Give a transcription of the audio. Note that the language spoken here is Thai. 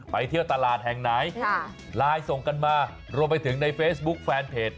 เที่ยวตลาดแห่งไหนไลน์ส่งกันมารวมไปถึงในเฟซบุ๊คแฟนเพจ